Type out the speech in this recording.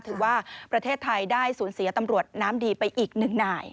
ถือว่าประเทศไทยได้สูญเสียตำรวจน้ำดีไปอีกหนึ่งนาย